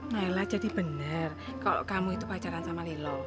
nailah jadi bener kalau kamu itu pacaran sama lilo